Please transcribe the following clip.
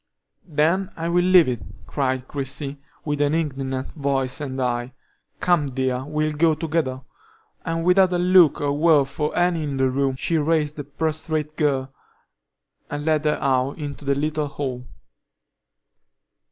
"Then I will leave it!" cried Christie, with an indignant voice and eye. "Come, dear, we'll go together." And without a look or word for any in the room, she raised the prostrate girl, and led her out into the little hall.